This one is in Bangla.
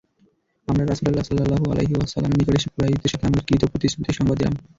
আমরা রাসূলুল্লাহ সাল্লাল্লাহু আলাইহি ওয়াসাল্লামের নিকট এসে কুরাইশদের সাথে আমাদের কৃত প্রতিশ্রুতির সংবাদ দিলাম।